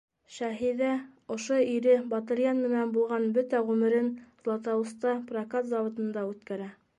Шәһиҙә ошо ире Батырйән менән булған бөтә ғүмерен Златоуста прокат заводында үткәрә.